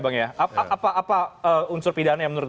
apa unsur pidana yang menurut